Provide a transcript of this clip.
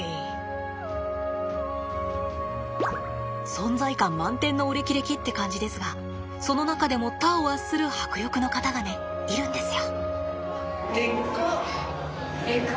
存在感満点のお歴々って感じですがその中でも他を圧する迫力の方がねいるんですよ。